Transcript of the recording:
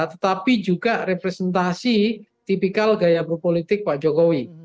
tetapi juga representasi tipikal gaya berpolitik pak jokowi